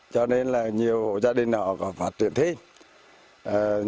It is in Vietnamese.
cho nên là nhiều gia đình họ có phát triển thêm